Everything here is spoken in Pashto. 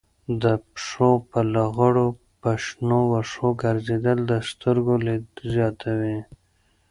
د پښو په لغړو په شنو وښو ګرځېدل د سترګو لید زیاتوي.